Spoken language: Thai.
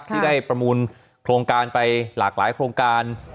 ที่ได้ประมูลโครงการไปหลากหลายโครงการ